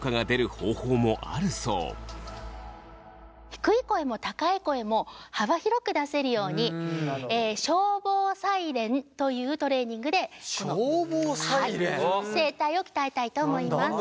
低い声も高い声も幅広く出せるように消防サイレンというトレーニングで声帯を鍛えたいと思います。